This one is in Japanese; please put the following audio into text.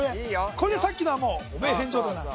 これでさっきのはもう汚名返上でございます